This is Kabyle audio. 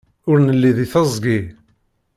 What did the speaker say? Ur nelli deg teẓgi.